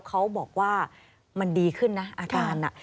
เขาบอกว่ามันดีขึ้นนะอาการน่ะ